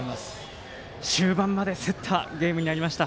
終盤まで競ったゲームになりました。